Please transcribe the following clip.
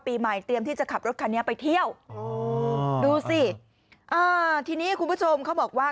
ปีใหม่เตรียมที่จะขับรถคันนี้ไปเที่ยวดูสิอ่าทีนี้คุณผู้ชมเขาบอกว่า